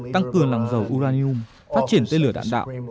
tăng cường lòng dầu uranium phát triển tên lửa đạn đạo